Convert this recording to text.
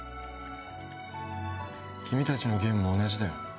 君たちのゲームも同じだよ。